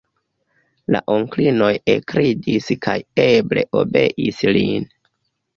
La onklinoj ekridis kaj eble obeis lin.